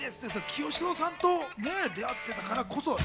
清志郎さんと出会ってたからこそ。